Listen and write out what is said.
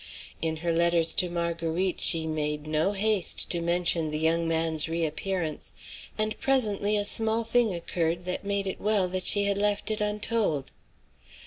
In her letters to Marguerite she made no haste to mention the young man's re appearance, and presently a small thing occurred that made it well that she had left it untold.